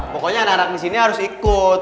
pokoknya anak anak disini harus ikut